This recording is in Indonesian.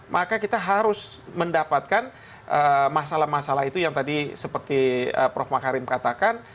maka kita harus mendapatkan masalah masalah itu yang tadi seperti prof makarim katakan